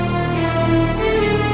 sampai jumpa lagi